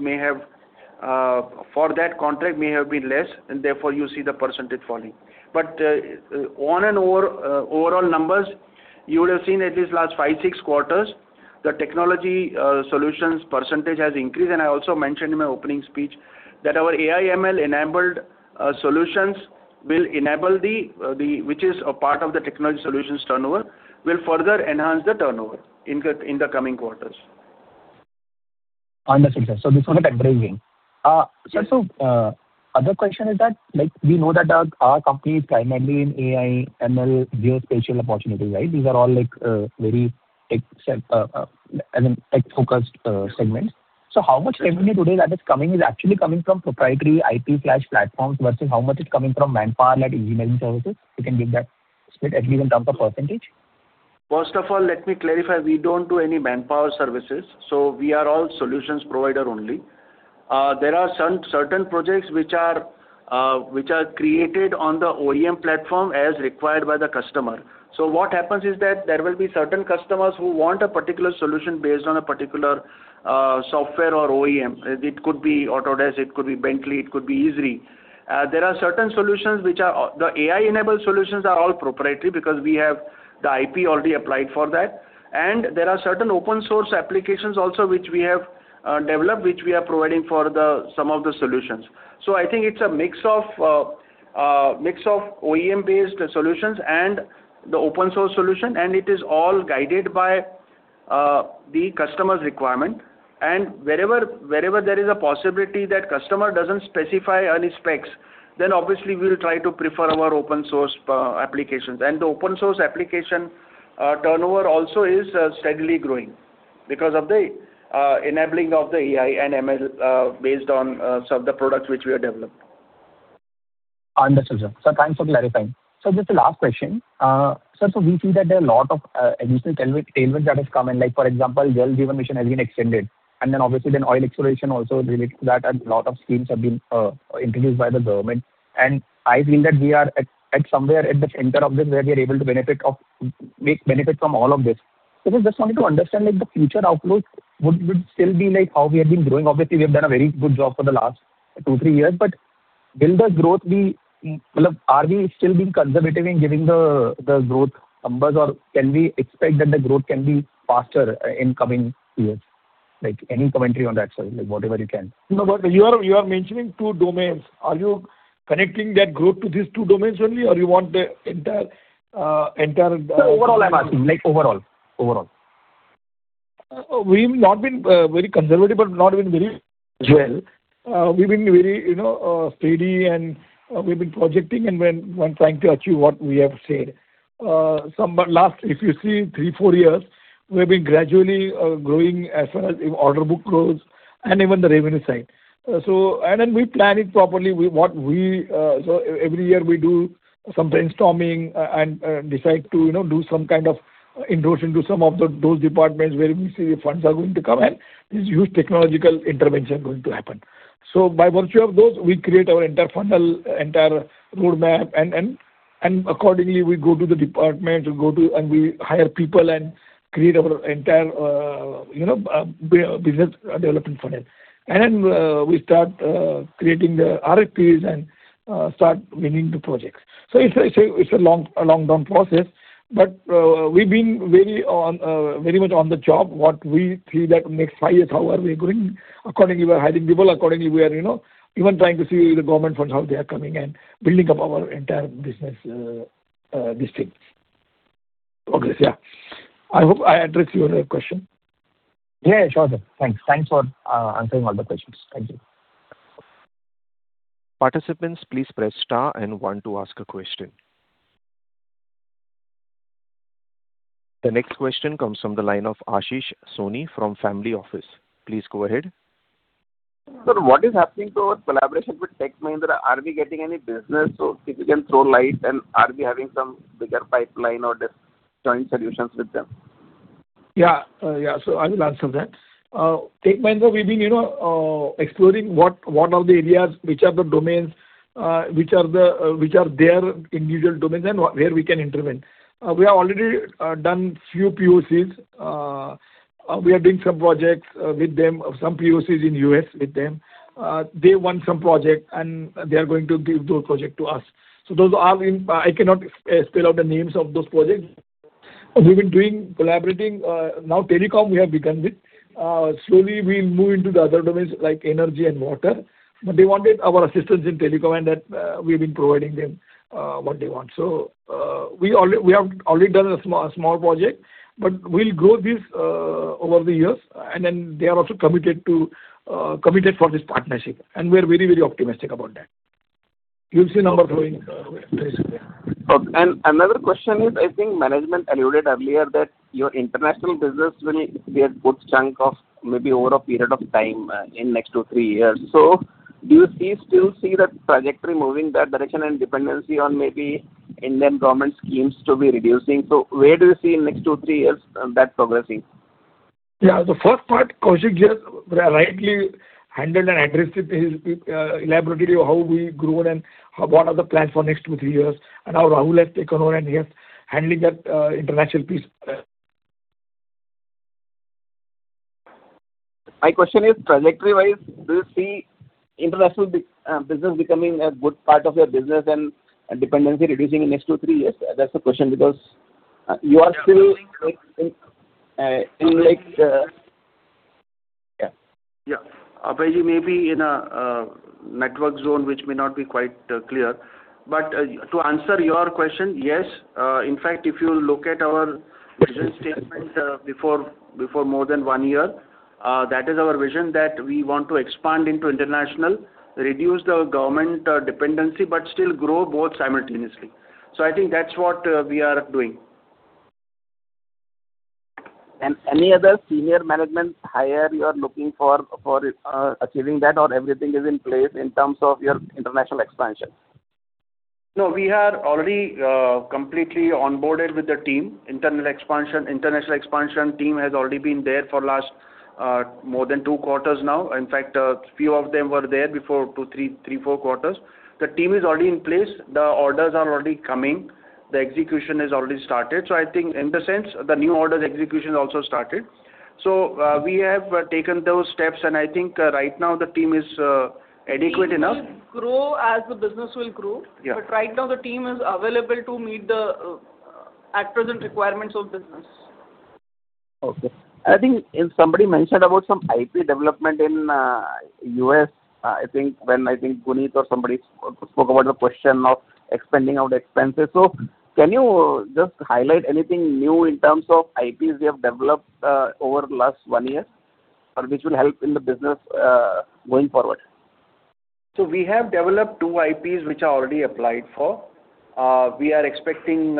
for that contract may have been less, and therefore, you see the percentage falling. On an overall number, you would have seen at least the last five, six quarters, the Technology Solutions percentage has increased, and I also mentioned in my opening speech that our AI ML-enabled solutions, which is a part of the Technology Solutions turnover, will further enhance the turnover in the coming quarters. Understood, sir. This was a temporary thing. Sir, another question is that, we know that our company is primarily in AI, ML, geospatial opportunities, right? These are all very tech-focused segments. How much revenue today that is coming is actually coming from proprietary IP/platforms, versus how much is coming from manpower like engineering services? You can give that split at least in terms of percentage. First of all, let me clarify, we don't do any manpower services. We are all solution providers only. There are certain projects which are created on the OEM platform as required by the customer. What happens is that there will be certain customers who want a particular solution based on a particular software or OEM. It could be Autodesk, it could be Bentley, it could be Esri. The AI-enabled solutions are all proprietary because we have the IP already applied for that. There are certain open source applications also, which we have developed, which we are providing for some of the solutions. I think it's a mix of OEM-based solutions and the open source solution, and it is all guided by the customer's requirements. Wherever there is a possibility that customer doesn't specify any specs, then obviously we'll try to prefer our open source applications. The open-source application turnover is also steadily growing because of the enabling of the AI and ML based on some of the products which we have developed. Understood, sir. Sir, thanks for clarifying. Sir, just a last question. Sir, we see that there are a lot of additional tailwinds that has come in, like for example, Jal Jeevan Mission has been extended, and then obviously then oil exploration is also related to that, and a lot of schemes have been introduced by the government. I feel that we are somewhere at the center of this, where we are able to make benefit from all of this. I just wanted to understand, the future outlook, would still be like how we have been growing? Obviously, we have done a very good job for the last two, three years, but are we still being conservative in giving the growth numbers, or can we expect that the growth can be faster in the coming years? Any commentary on that, sir? Whatever you can. No, you are mentioning two domains. Are you connecting that growth to these two domains only, or you want the entire- Sir, overall, I'm asking. Like overall. We've not been very conservative, but not been very agile. We've been very steady, and we've been projecting and trying to achieve what we have said. If you see three to four years, we've been gradually growing as far as order book growth and even the revenue side. We plan it properly. Every year, we do some brainstorming and decide to do some kind of induction to some of those departments where we see the funds are going to come, and this huge technological intervention going to happen. By virtue of those, we create our entire funnel, entire roadmap, and accordingly, we go to the department, and we hire people and create our entire business development funnel. We start creating the RFPs and start winning the projects. It's a long-run process, but we've been very much on the job. What we see is that next five years, how are we going? Accordingly, we are hiring people; accordingly, we are even trying to see the government funds, how they are coming and building up our entire business this thing. Progress, yeah. I hope I addressed your question. Yeah, sure, sir. Thanks. Thanks for answering all the questions. Thank you. Participants, please press star and one to ask a question. The next question comes from the line of Ashish Soni from Family Office. Please go ahead. Sir, what is happening to our collaboration with Tech Mahindra? Are we getting any business? If you can throw light, and are we having some bigger pipeline or just joint solutions with them? Yeah. I will answer that. Tech Mahindra, we've been exploring what the areas are, which are the domains, which are their individual domains and where we can intervene. We have already done a few POCs. We are doing some projects with them, some POCs in U.S. with them. They won some project, and they are going to give those project to us. I cannot spell out the names of those projects. We've been collaborating. Telecom, we have begun with. Slowly, we'll move into the other domains like energy and water. They wanted our assistance in telecom, and we've been providing them what they want. We have already done a small project, but we'll grow this over the years. They are also committed for this partnership, and we're very optimistic about that. You'll see numbers growing very soon. Okay. Another question is, I think management alluded earlier that your international business will be a good chunk of maybe over a period of time, in the next two, three years. Do you still see that trajectory moving in that direction and dependency on maybe Indian government schemes to be reducing? Where do you see in the next two, three years that progressing? Yeah. The first part, Ashish, here rightly handled and addressed it elaborately on how we have grown and what the plans are for the next two to three years, and how Rahul has taken over and he is handling that international piece. My question is, trajectory-wise, do you see international business becoming a good part of your business and dependency reducing in the next two, three years? That's the question. Yeah. Abhay, you may be in a network zone, which may not be quite clear. To answer your question, yes. In fact, if you look at our vision statement before more than one year, that is our vision that we want to expand into international, reduce government dependency, but still grow both simultaneously. I think that's what we are doing. Any other senior management hire you are looking for achieving that, or everything is in place in terms of your international expansion? No, we are already completely onboarded with the team. Internal expansion, international expansion team has already been there for last more than two quarters now. In fact, a few of them were there before, two, three, four quarters. The team is already in place. The orders are already coming. The execution has already started. I think in the sense the new orders execution also started. We have taken those steps, and I think right now the team is adequate enough. The team will grow as the business will grow. Yeah. Right now the team is available to meet the at-present requirements of business. Okay. I think somebody mentioned about some IP development in U.S., I think when Gunit or somebody spoke about the question of expending out expenses. Can you just highlight anything new in terms of IPs you have developed over the last one year or which will help in the business going forward? We have developed two IPs which are already applied for. We are expecting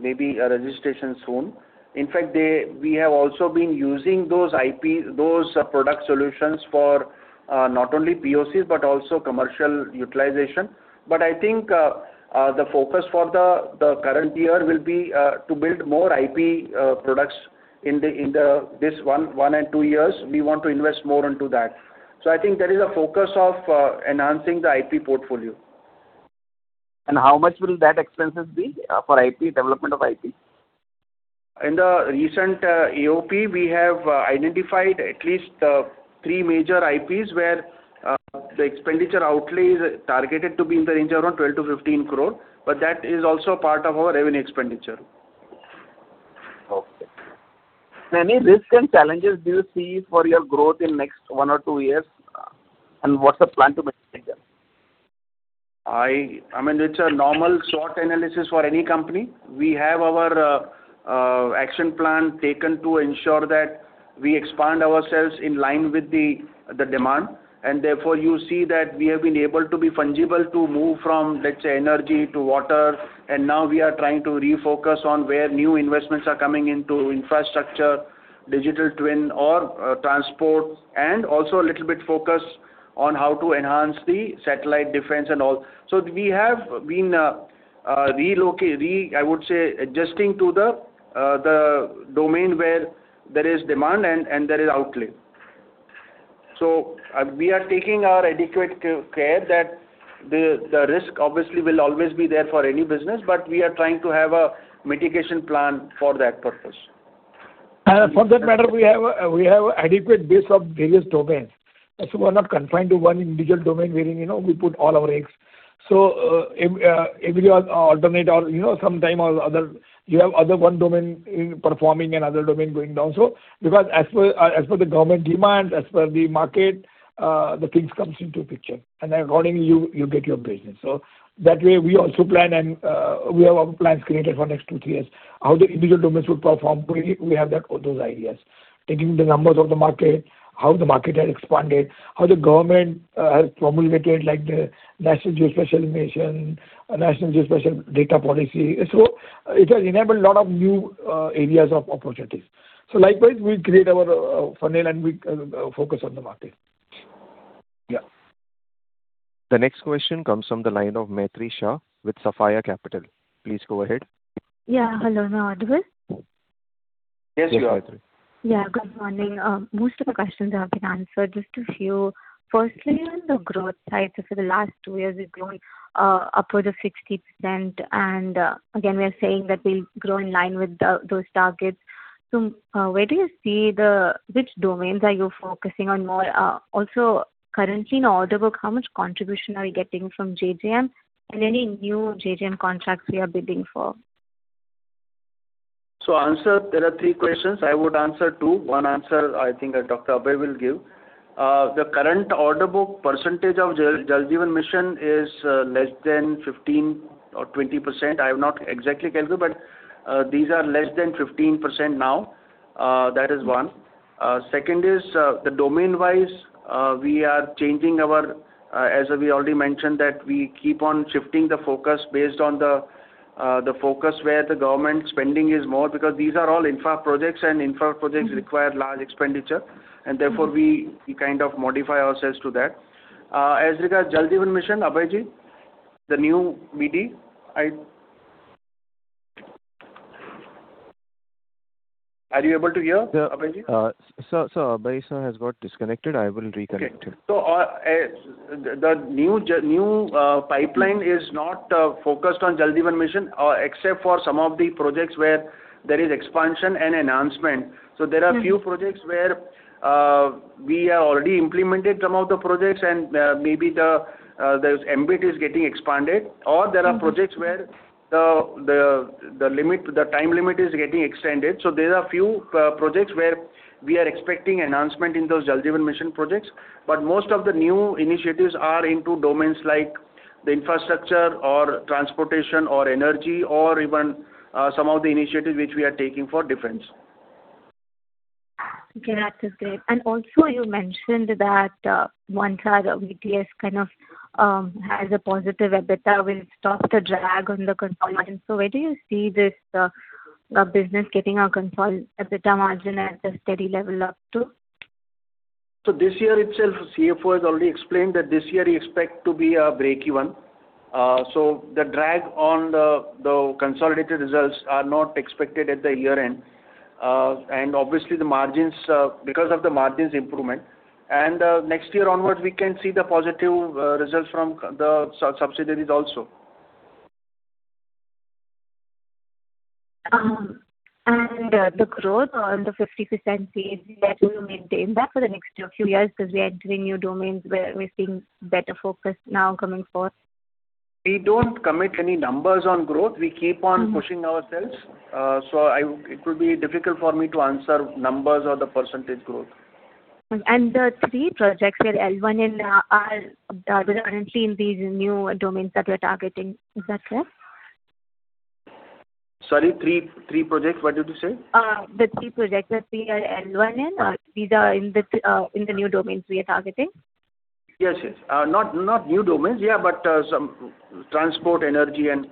maybe a registration soon. In fact, we have also been using those product solutions for not only POCs but also commercial utilization. I think the focus for the current year will be to build more IP products. In this one and two years, we want to invest more into that. I think there is a focus of enhancing the IP portfolio. How much will that expenses be for the development of IP? In the recent AOP, we have identified at least three major IPs where the expenditure outlay is targeted to be in the range around 12 crore-15 crore. That is also part of our revenue expenditure. Okay. Any risks and challenges do you see for your growth in the next one or two years? What's the plan to mitigate them? It's a normal SWOT analysis for any company. We have taken our action plan to ensure that we expand ourselves in line with the demand. Therefore, you see that we have been able to be fungible to move from, let's say, energy to water, and now we are trying to refocus on where new investments are coming into infrastructure, digital twin or transport, and also a little bit focus on how to enhance the satellite defense and all. We have been, I would say, adjusting to the domain where there is demand and there is outlay. We are taking our adequate care that the risk obviously will always be there for any business, but we are trying to have a mitigation plan for that purpose. For that matter, we have an adequate base of various domains. We're not confined to one individual domain wherein we put all our eggs. Every alternate, or sometimes you have other one domain performing and other domain going down. Because, as per the government demands, as per the market, things come into the picture, and accordingly, you get your business. That way, we also plan, and we have our plans created for the next two, three years. How the individual domains will perform, we have those ideas. Taking the numbers of the market, how the market has expanded, how the government has promulgated, like the National Geospatial Mission, National Geospatial Policy. It has enabled a lot of new areas of opportunities. Likewise, we create our funnel, and we focus on the market. Yeah. The next question comes from the line of Maitri Shah with Sapphire Capital. Please go ahead. Yeah. Hello. Am I audible? Yes, you are. Yeah. Good morning. Most of the questions have been answered. Just a few. Firstly, on the growth side, so for the last two years, we're growing upwards of 60%, and again, we're saying that we'll grow in line with those targets. Where do you see which domains are you focusing on more? Also, currently in order book, how much contribution are you getting from Jal Jeevan Mission and any new Jal Jeevan Mission contracts you are bidding for? There are three questions. I would answer two. One answer I think Dr. Abhay will give. The current order book percentage of Jal Jeevan Mission is less than 15% or 20%. I have not exactly calculated, but these are less than 15% now. That is one. Second is, the domain-wise, we are changing our as we already mentioned that we keep on shifting the focus based on the focus where the government spending is more because these are all infra projects and infra projects require large expenditure, and therefore we kind of modify ourselves to that. As regards Jal Jeevan Mission, Abhay, the new BD, are you able to hear, Abhay? Sir, Abhay Sir has got disconnected. I will reconnect him. Okay. The new pipeline is not focused on Jal Jeevan Mission except for some of the projects where there is expansion and enhancement. There are a few projects where we have already implemented some of the projects, and maybe the ambit is getting expanded, or there are projects where the time limit is getting extended. There are a few projects where we are expecting enhancements in those Jal Jeevan Mission projects. Most of the new initiatives are into domains like the infrastructure, or transportation, or energy, or even some of the initiatives which we are taking for defense. Okay, that's it. Also, you mentioned that once our VTS has a positive EBITDA, we'll stop the drag on the consolidated. Where do you see this business getting our consolidated EBITDA margin at a steady level up to? This year itself, the CFO has already explained that this year we expect to be a break-even. The drag on the consolidated results are not expected at the year-end. Obviously, because of the margin improvement, next year onwards, we can see the positive results from the subsidiaries also. The growth on the 50% stage, will you maintain that for the next few years, because we are entering new domains where we're seeing better focus now coming forth? We don't commit any numbers on growth. We keep on pushing ourselves. It will be difficult for me to answer the numbers or the percentage growth. The three projects where L1 and are currently in these new domains that we're targeting. Is that correct? Sorry, three projects, what did you say? The three projects that we are L1 in, these are in the new domains we are targeting? Yes. Not new domains, but some transport, energy, and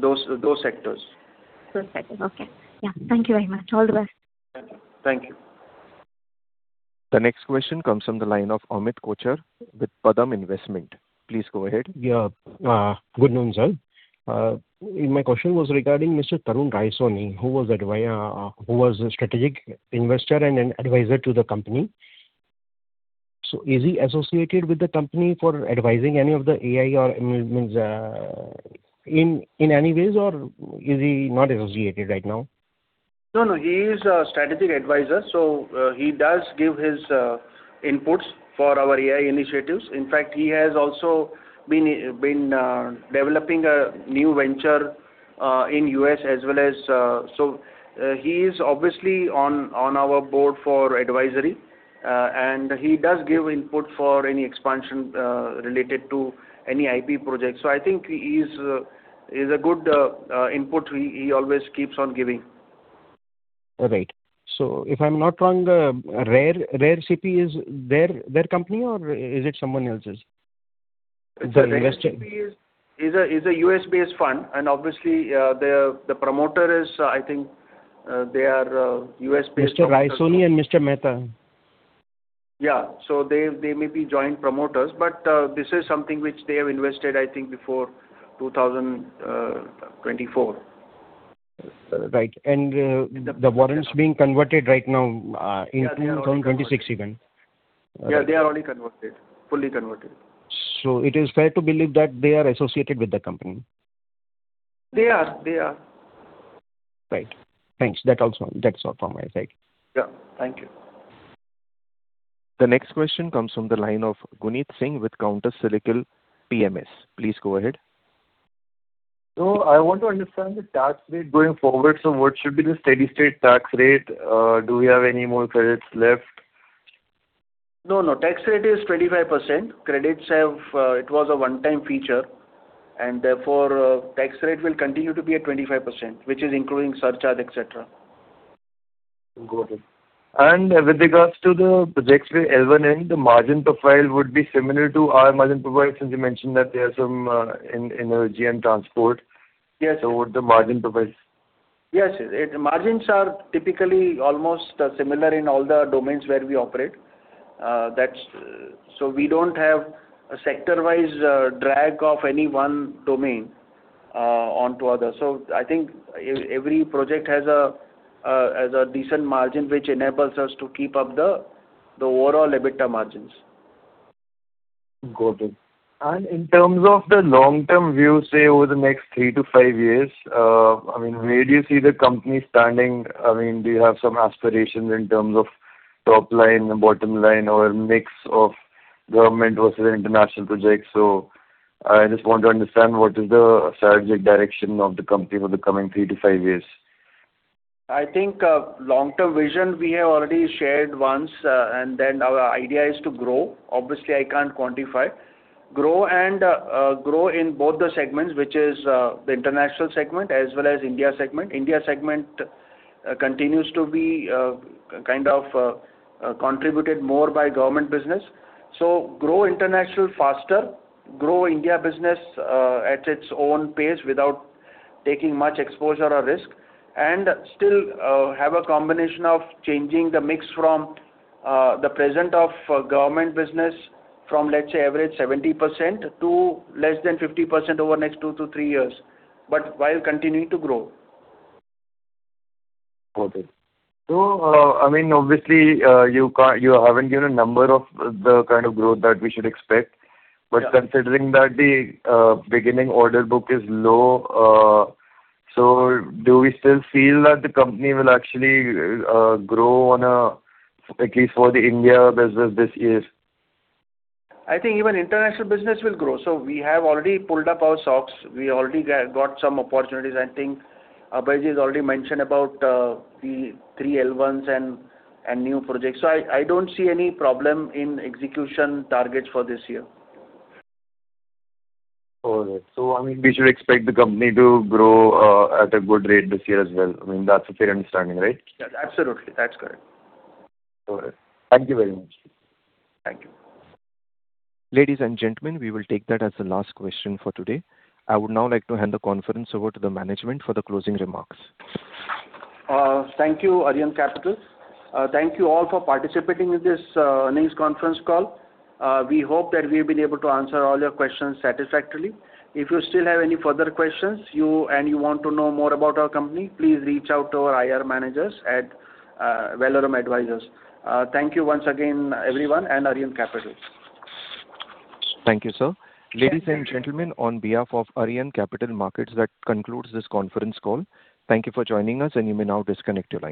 those sectors. Those sectors. Okay. Yeah. Thank you very much. All the best. Thank you. The next question comes from the line of Amit Kochar with Padam Investments. Please go ahead. Good noon, sir. My question was regarding Mr. Tarun Raisoni, who was a strategic investor and an advisor to the company. Is he associated with the company for advising any of the AI or means in any way, or is he not associated right now? No, he is a strategic advisor, so he does give his input for our AI initiatives. In fact, he has also been developing a new venture in U.S. as well. He is obviously on our board for advisory, and he does give input for any expansion related to any IP project. I think he's a good input, he always keeps on giving. All right. If I'm not wrong, Rare CP is their company, or is it someone else's? The investor. Rare CP is a U.S.-based fund, and obviously, the promoter is, I think, they are U.S.-based. Mr. Raisoni and Mr. Mehta. Yeah. They may be joint promoters, but this is something which they have invested, I think, before 2024. Right. The warrants are being converted right now in 2026, even. Yeah, they are already converted, fully converted. It is fair to believe that they are associated with the company. They are. Right. Thanks. That's all from my side. Yeah. Thank you. The next question comes from the line of Gunit Singh with Counter Cyclical PMS. Please go ahead. I want to understand the tax rate going forward. What should be the steady state tax rate? Do we have any more credits left? No, the tax rate is 25%. Credits, it was a one-time feature, and therefore, tax rate will continue to be at 25%, which is including surcharge, et cetera. Got it. With regards to the projects with L1, and the margin profile would be similar to our margin profile since you mentioned that there are some in energy and transport. Yes. What the margin provides. Yes, margins are typically almost similar in all the domains where we operate. We don't have a sector-wise drag of any one domain onto others. I think every project has a decent margin, which enables us to keep up the overall EBITDA margins. Got it. In terms of the long-term view, say, over the next three to five years, where do you see the company standing? Do you have some aspirations in terms of top line and bottom line, or a mix of government versus international projects? I just want to understand what is the strategic direction of the company for the coming three to five years. I think long-term vision, we have already shared once, our idea is to grow. Obviously, I can't quantify. Grow in both the segments, which is the International segment as well as India segment. India segment continues to be kind of contributed more by government business. Grow international faster, grow India business at its own pace without taking much exposure or risk, and still have a combination of changing the mix from the present of government business from, let's say, average 70% to less than 50% over the next two to three years, while continuing to grow. Got it. Obviously, you haven't given a number of the kind of growth that we should expect. Yeah. Considering that the beginning order book is low, so do we still feel that the company will actually grow at least for the India business this year? I think even international business will grow. We have already pulled up our socks. We already got some opportunities. I think Abhay has already mentioned about the three L1s and new projects. I don't see any problem in execution targets for this year. All right. We should expect the company to grow at a good rate this year as well. That's a fair understanding, right? Yeah, absolutely. That's correct. All right. Thank you very much. Thank you. Ladies and gentlemen, we will take that as the last question for today. I would now like to hand the conference over to the management for the closing remarks. Thank you, Arihant Capital. Thank you all for participating in this earnings conference call. We hope that we've been able to answer all your questions satisfactorily. If you still have any further questions and you want to know more about our company, please reach out to our IR managers at Valorem Advisors. Thank you once again, everyone, and Arihant Capital. Thank you, sir. Ladies and gentlemen, on behalf of Arihant Capital Markets, that concludes this conference call. Thank you for joining us, and you may now disconnect your lines.